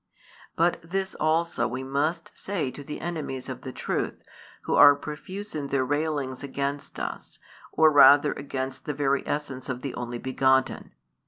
But this also we must say to the enemies of the truth, who are profuse in their railings against us, or rather against the very essence of the Only begotten.